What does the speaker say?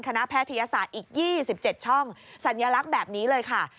แพทยศาสตร์อีก๒๗ช่องสัญลักษณ์แบบนี้เลยค่ะ